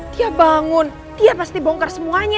dia bangun dia pasti bongkar semuanya